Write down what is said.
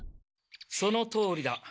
そのとおりだ。